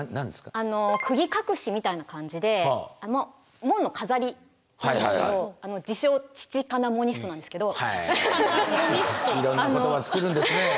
あの釘隠しみたいな感じで門の飾りなんですけど自称チチカナモニストなんですけど。へいろんな言葉つくるんですね。